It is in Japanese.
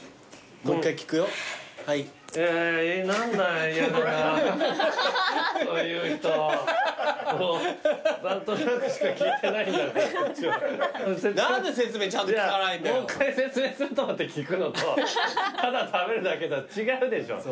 もう一回説明すると思って聞くのとただ食べるだけとは違うでしょ。